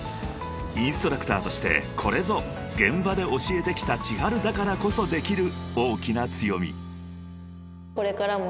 ［インストラクターとしてこれぞ現場で教えてきたｃｈｉｈａｒｕだからこそできる大きな強み］